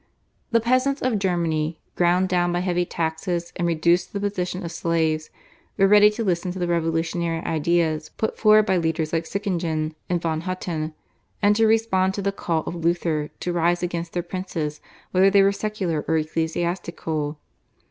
The peasants of Germany, ground down by heavy taxes and reduced to the position of slaves, were ready to listen to the revolutionary ideas put forward by leaders like Sickingen and von Hutten, and to respond to the call of Luther to rise against their princes whether they were secular or ecclesiastical.